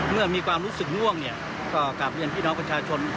เมื่อมีความรู้สึกง่วงเนี่ยก็กลับเรียนพี่น้องประชาชน